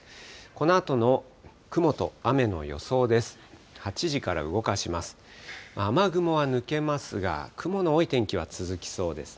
このあとの雲と雨の予想です。